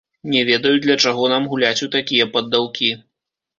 Не ведаю, для чаго нам гуляць у такія паддаўкі.